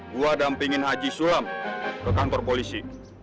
gua dampingin haji sulam ke kantor polisi